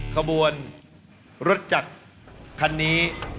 ขบวนรถจักรคันนี้